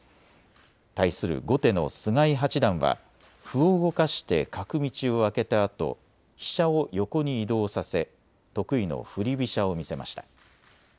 対する後手の菅井八段は歩を動かして角道を開けたあと飛車を横に移動させ得意の振り飛車を見せました。